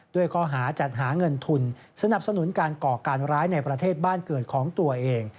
ด้วยข้อหาจัดหาเงินทุนสนับสนุนการก่อการร้ายในประเทศบ้านเกิดของตัวเอง